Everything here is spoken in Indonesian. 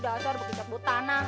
dasar begitu butana